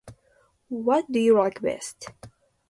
What do you like best?